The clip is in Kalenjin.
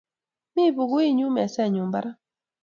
Mi pukuit nyu mesennyu parak.